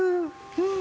うん。